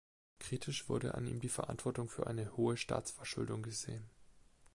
Kritisch wurde an ihm die Verantwortung für eine hohe Staatsverschuldung gesehen.